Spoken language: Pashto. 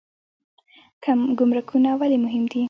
ګمرکونه ولې مهم دي؟